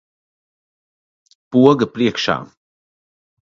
Poga priekšā.